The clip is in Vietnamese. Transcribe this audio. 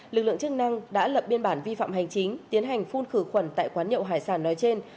lực lượng chức năng đã lập biên bản vi phạm hành chính tiến hành phun khử khuẩn tại quán nhậu hải sản nói trên